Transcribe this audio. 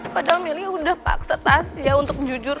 padahal meli udah paksa tasya untuk jujur